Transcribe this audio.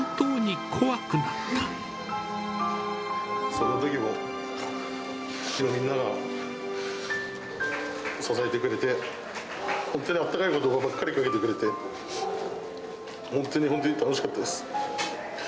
そのときも、みんなが支えてくれて、本当にあったかいことばばっかりかけてくれて、本当に本当に楽しかったです。